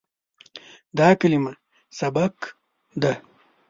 دا کلمه "سبق" ده.